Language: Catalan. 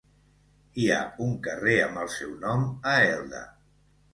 Hi ha un carrer amb el seu nom a Elda.